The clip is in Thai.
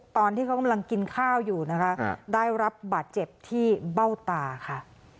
ตอนที่เขากำลังกินข้าวอยู่นะคะได้รับบาดเจ็บที่เบ้าตาค่ะ